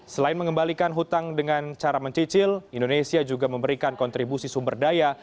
selain mengembalikan hutang dengan cara mencicil indonesia juga memberikan kontribusi sumber daya